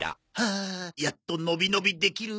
ああやっとのびのびできる。